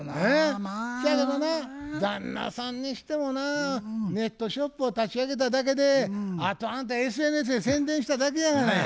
そやけどね旦那さんにしてもなネットショップを立ち上げただけであとはあんたＳＮＳで宣伝しただけやがな。